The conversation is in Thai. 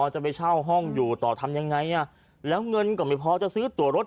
จะไปเช่าห้องอยู่ต่อทำยังไงอ่ะแล้วเงินก็ไม่พอจะซื้อตัวรถ